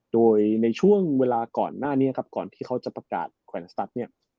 โดยในช่วงเวลาก่อนหน้านี้ครับก่อนที่เขาจะประกาศแขวนสตัสเนี่ย